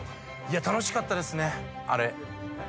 楽しかったですねあれ。